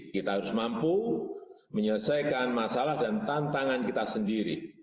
kita harus mampu menyelesaikan masalah dan tantangan kita sendiri